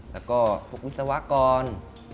แล้วก็พวกวิศวกร